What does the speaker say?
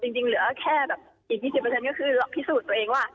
จริงเหลือแค่แบบอีก๒๐ก็คือเราพิสูจน์ตัวเองว่า